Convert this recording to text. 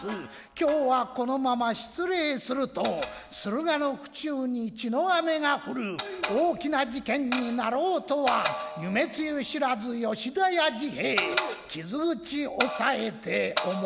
今日はこのまま失礼する」と駿河の府中に血の雨が降る大きな事件になろうとは夢露知らず吉田屋治兵衛傷口抑えて表にでた。